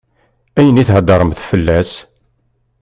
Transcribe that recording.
Ayɣer i theddṛemt fell-as?